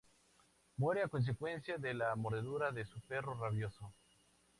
Muere a consecuencia de la mordedura de su perro rabioso.